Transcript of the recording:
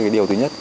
điều thứ nhất